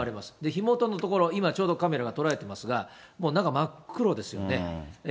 火元の所、今ちょうどカメラが捉えていますが、中、真っ黒ですよね。